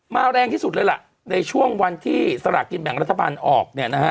แรงที่สุดเลยล่ะในช่วงวันที่สลากกินแบ่งรัฐบาลออกเนี่ยนะฮะ